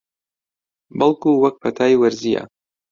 بەڵکوو وەک پەتای وەرزییە